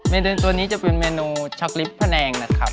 เมนูตัวนี้จะเป็นเมนูชักลิฟต์ภแนงนะครับ